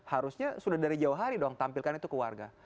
harusnya sudah dari jauh hari dong tampilkan itu ke warga